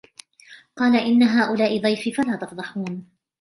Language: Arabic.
قال إن هؤلاء ضيفي فلا تفضحون